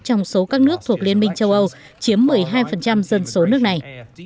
trong số các nước thuộc liên minh châu âu chiếm một mươi hai dân số nước này